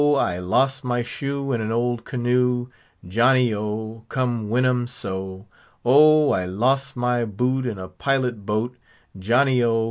I los' my shoe in an old canoe, Johnio! come Winum so! Oh! I los' my boot in a pilot boat, Johnio!